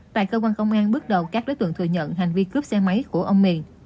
tại cơ quan công an bước đầu các đối tượng thừa nhận hành vi cướp xe máy của ông miền